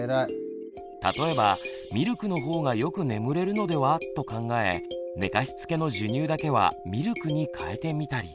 例えばミルクの方がよく眠れるのでは？と考え寝かしつけの授乳だけはミルクにかえてみたり。